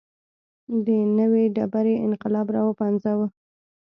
د نوې ډبرې انقلاب راوپنځاوه.